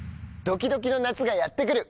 ドキドキの夏がやって来る。